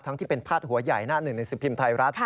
ทั้งที่เป็นภาษาหัวใหญ่หน้าหนึ่งในสิมพิมพ์ไทยรัฐ